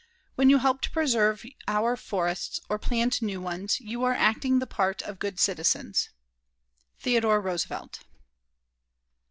When you help to preserve our forests or plant new ones you are acting the part of good citizens. THEODORE ROOSEVELT.